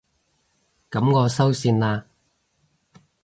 噉我收線喇